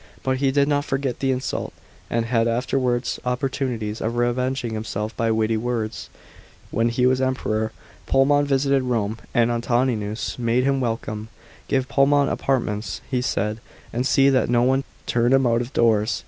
But he did not forget the insult, and had afterw.irds opp rtunities of revenging himself by witty words. When he was Kmperor, Polemon visited Rome, and Antoninus made him welcome. "Give Polemon apartments," he said, "and see that no one turn him out of doors."